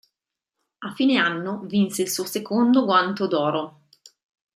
A fine anno vinse il suo secondo Guanto d'oro.